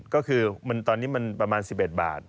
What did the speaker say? ก็คือตอนนี้มันประมาณ๑๑บาท